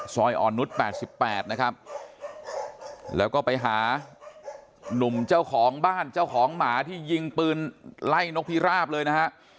ซอยอ่อนนุษย์๘๘นะครับแล้วก็ไปหาหนุ่มเจ้าของบ้านเจ้าของหมาที่ยิงปืนไล่นกพิราบเลยนะฮะ